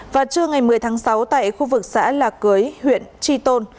và trưa ngày một mươi tháng sáu tại khu vực xã lạc cưới huyện tri tôn